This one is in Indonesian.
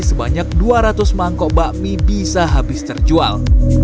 sebanyak dua ratus mangkok bakmi bisa habis terjual